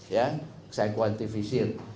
ya saya kuantifisir